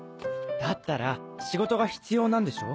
だったら仕事が必要なんでしょ？